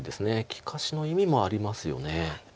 利かしの意味もありますよね。